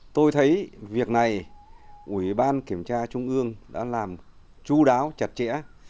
tôi thấy việc này ủy ban kiểm tra trung ương đã làm chú đáo chặt chẽ